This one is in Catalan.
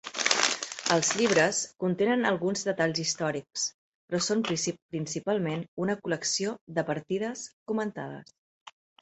Els llibres contenen alguns detalls històrics, però són principalment una col·lecció de partides comentades.